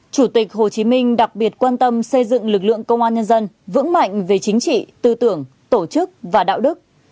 chủ tịch hồ chí minh đặc biệt quan tâm xây dựng lực lượng công an nhân dân vững mạnh về chính trị tư tưởng tổ chức và đạo đức